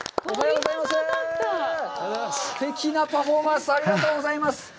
おはようございます。